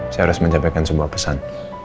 saya harus mencapai semua pesan